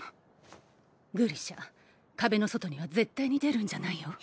グリシャ壁の外には絶対に出るんじゃないよ？